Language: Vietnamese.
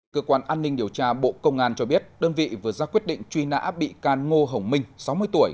cơ quan an ninh điều tra bộ công an cho biết đơn vị vừa ra quyết định truy nã bị can ngô hồng minh sáu mươi tuổi